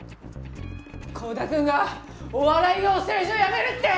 幸田くんがお笑い養成所辞めるって！